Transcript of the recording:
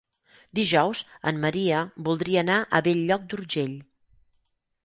Dijous en Maria voldria anar a Bell-lloc d'Urgell.